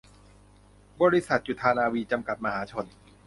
บริษัท จุฑานาวี จำกัด มหาชน